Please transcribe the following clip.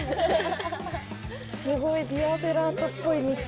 すごいヴィアフェラータっぽい道。